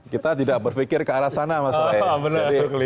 kita tidak berpikir ke arah sana pak drei